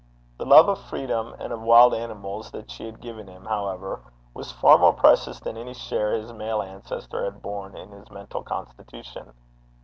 The love of freedom and of wild animals that she had given him, however, was far more precious than any share his male ancestor had borne in his mental constitution.